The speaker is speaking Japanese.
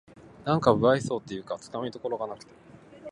なんか無愛想っていうかつかみどころがなくて